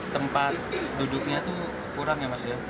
tempat duduknya itu kurang ya mas ya